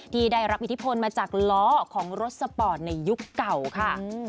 ที่ได้รับอิทธิพลมาจากล้อของรถสปอร์ตในยุคเก่าค่ะ